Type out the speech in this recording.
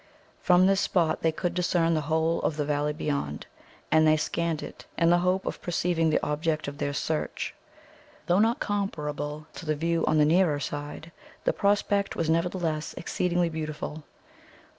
From this spot they could discern the whole of the valley beyond, and they scanned it in the hope of perceiving the object of their search. Though not comparable to the view on the nearer side, the prospect was nevertheless exceedingly beautiful.